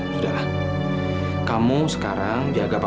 pak tenang aja pak